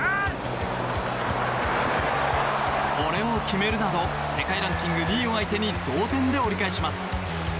これを決めるなど世界ランキング２位を相手に同点で折り返します。